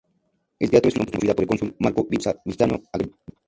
El teatro es una construcción promovida por el cónsul Marco Vipsanio Agripa.